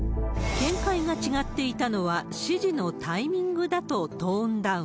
見解が違っていたのは、指示のタイミングだとトーンダウン。